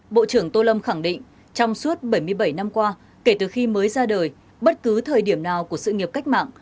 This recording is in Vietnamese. bộ trưởng tô lâm khẳng định trong suốt bảy mươi bảy năm qua kể từ khi mới ra đời bất cứ thời điểm nào của sự nghiệp cách mạng